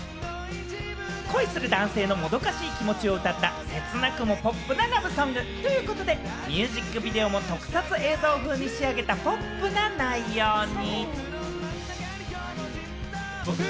恋する男性のもどかしい気持ちを歌った、切なくもポップなラブソング。ということで、ミュージックビデオも特撮映像風に仕上げたポップな内容に。